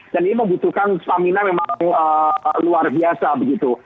dan ini membutuhkan stamina memang luar biasa begitu